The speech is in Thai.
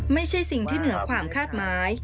ไม่ใช่สิ่งที่เหนือความคาดหมาย